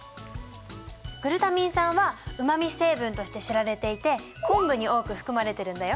グルタミン酸はうまみ成分として知られていて昆布に多く含まれてるんだよ。